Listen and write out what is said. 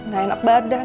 gak enak badan